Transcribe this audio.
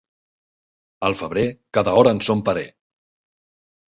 Al febrer, cada hora en son parer.